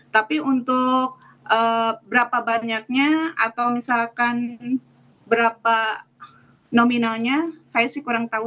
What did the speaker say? tapi untuk berapa banyaknya atau misalkan berapa nominalnya saya sih kurang tahu